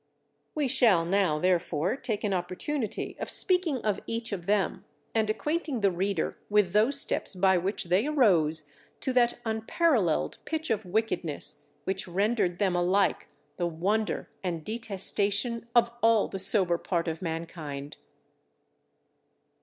We shall now therefore take an opportunity of speaking of each of them, and acquainting the reader with those steps by which they arose to that unparalleled pitch of wickedness which rendered them alike the wonder and detestation of all the sober part of mankind.